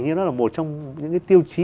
nó là một trong những cái tiêu chí